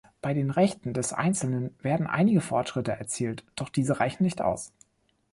Bei den Rechten des einzelnen wurden einige Fortschritte erzielt, doch diese reichen nicht aus.